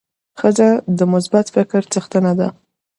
ښځه د مثبت فکر څښتنه ده.